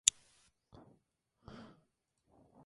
Lunes de Pascua: Más conocido como "Las Pascuas".